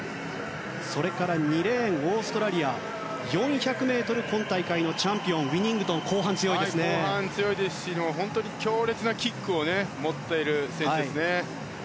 それから２レーンオーストラリア４００ｍ、今大会のチャンピオンウィニングトン後半強いですし本当に強烈なキックを持っている選手ですね。